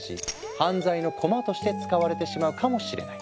犯罪のコマとして使われてしまうかもしれない。